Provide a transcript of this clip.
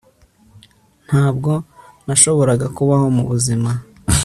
Ntabwo nashoboraga kubaho mubuzima